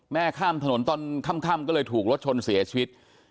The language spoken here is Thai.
ข้ามถนนตอนค่ำก็เลยถูกรถชนเสียชีวิต